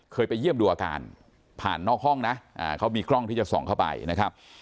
ไปเยี่ยมดูอาการผ่านนอกห้องนะเขามีกล้องที่จะส่องเข้าไปนะครับ